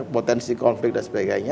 potensi konflik dan sebagainya